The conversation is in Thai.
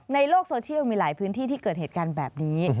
ในโลกโซเชียลมีหลายพื้นที่ที่เกิดเหตุการณ์แบบนี้